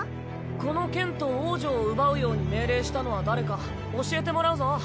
この剣と王女を奪うように命令したのは誰か教えてもらうぞ。